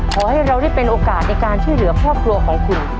ขอให้เราได้เป็นโอกาสในการช่วยเหลือครอบครัวของคุณ